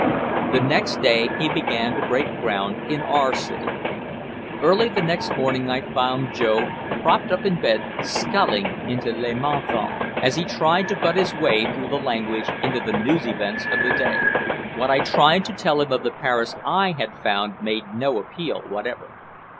The next day he began to break ground in our city. Early the next morning I found Joe propped up in bed scowling into Le Matin as he tried to butt his way through the language into the news events of the day. What I tried to tell him of the Paris I had found made no appeal whatever.